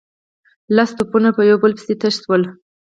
لس توپونه په يو بل پسې تش شول.